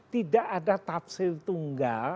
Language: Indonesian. tidak ada tafsir tunggal